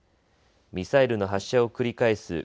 ミサイルの発射を繰り返す